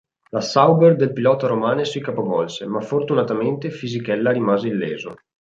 La Sauber del pilota romano si capovolse, ma fortunatamente Fisichella rimase illeso.